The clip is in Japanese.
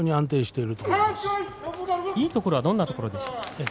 いいところはどんなところでしょうか。